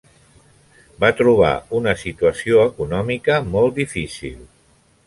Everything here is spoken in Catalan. Va trobar una situació econòmica molt difícil.